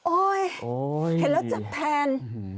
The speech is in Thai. โอ้ยเห็นแล้วจับแผ่น